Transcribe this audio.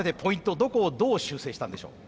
どこをどう修正したんでしょう？